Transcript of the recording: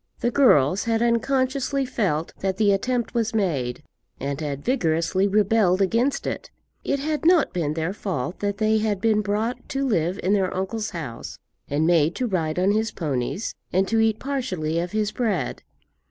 The girls had unconsciously felt that the attempt was made, and had vigorously rebelled against it. It had not been their fault that they had been brought to live in their uncle's house, and made to ride on his ponies, and to eat partially of his bread.